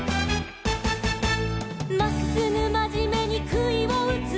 「まっすぐまじめにくいをうつ」